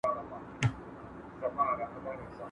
غټه گوله ثواب لري، انډيوال هم حق لري.